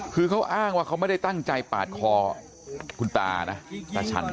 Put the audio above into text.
คือเขาอ้างว่าเขาไม่ได้ตั้งใจปาดคอคุณตานะตาฉัน